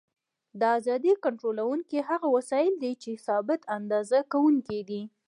د اندازې کنټرولوونکي هغه وسایل دي چې ثابت اندازه کوونکي دي.